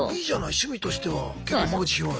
趣味としては結構間口広い。